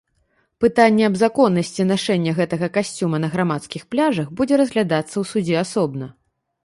Пытанне аб законнасці нашэння гэтага касцюма на грамадскіх пляжах будзе разглядацца ў судзе асобна.